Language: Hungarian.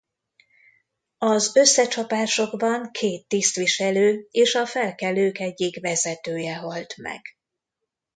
Az összecsapásokban két tisztviselő és a felkelők egyik vezetője halt meg.